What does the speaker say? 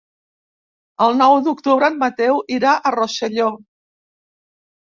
El nou d'octubre en Mateu irà a Rosselló.